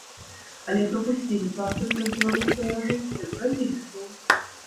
Але прапусцілі партыю праз беларускую мяжу, як бразільскую.